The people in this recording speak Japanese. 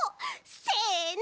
せの。